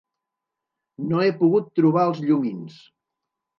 No he pogut trobar els llumins.